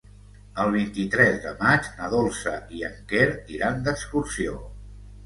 El vint-i-tres de maig na Dolça i en Quer iran d'excursió.